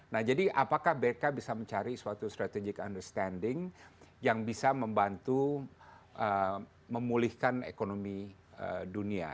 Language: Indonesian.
nah jadi apakah bk bisa mencari suatu strategic understanding yang bisa membantu memulihkan ekonomi dunia